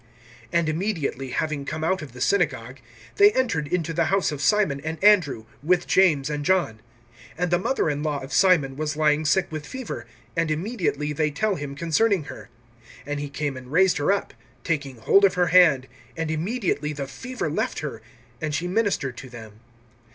(29)And immediately, having come out of the synagogue, they entered into the house of Simon and Andrew, with James and John. (30)And the mother in law of Simon was lying sick with fever; and immediately they tell him concerning her. (31)And he came and raised her up, taking hold of her hand; and immediately the fever left her, and she ministered to them.